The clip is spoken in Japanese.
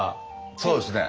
そうですね。